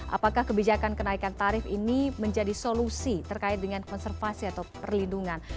apakah kebijakan kenaikan tarif ini menjadi solusi terkait dengan konservasi atau perlindungan